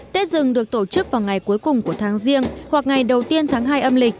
tết dừng được tổ chức vào ngày cuối cùng của tháng riêng hoặc ngày đầu tiên tháng hai âm lịch